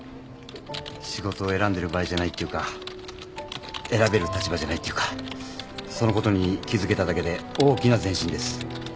仕事を選んでる場合じゃないっていうか選べる立場じゃないっていうかそのことに気付けただけで大きな前進です。